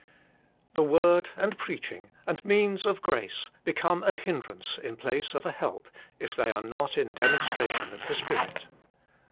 The Word, and preaching, and means of grace become a hindrance in place of a help if they are not in demonstration of the Spirit.